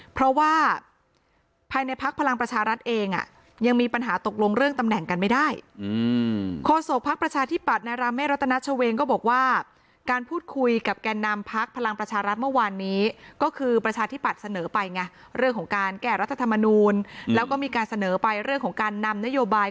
พักษณ์ขอเลื่อนนะขอเลื่อนการประชุมออกไปอย่างไม่มีกำหนดด้วย